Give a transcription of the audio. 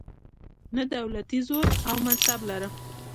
نه دولتي زور او منصب لرم.